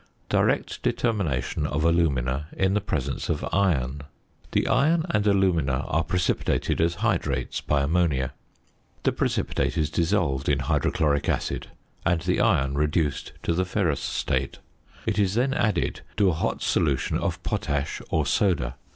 ~Direct Determination of Alumina in the Presence of Iron.~ The iron and alumina are precipitated as hydrates by ammonia. The precipitate is dissolved in hydrochloric acid and the iron reduced to the ferrous state. It is then added to a hot solution of potash or soda.